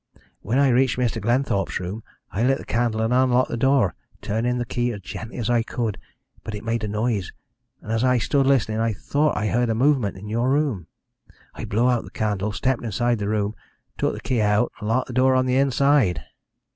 When I reached Mr. Glenthorpe's room I lit the candle and unlocked the door, turning the key as gently as I could. But it made a noise, and, as I stood listening, I thought I heard a movement in your room. I blew out the candle, stepped inside the room, took the key out, and locked the door on the inside.